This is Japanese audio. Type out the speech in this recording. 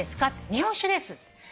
「日本酒です」って。